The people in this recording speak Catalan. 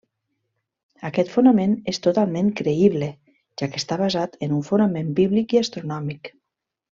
Aquest fonament és totalment creïble, ja que està basat en un fonament bíblic i astronòmic.